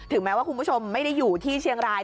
แม้ว่าคุณผู้ชมไม่ได้อยู่ที่เชียงราย